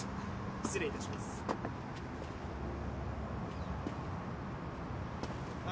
失礼いたしますあっ